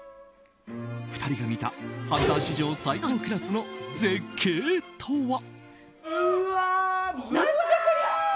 ２人が見た、ハンター史上最高クラスの絶景とは。